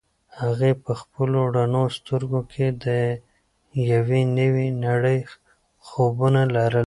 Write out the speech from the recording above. هغې په خپلو رڼو سترګو کې د یوې نوې نړۍ خوبونه لرل.